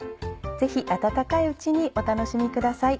ぜひ温かいうちにお楽しみください。